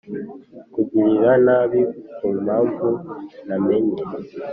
kungirira nabi ku mpamvu ntamenye.”